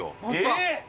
えっ！